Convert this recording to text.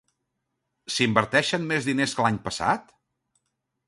S'inverteixen més diners que l'any passat?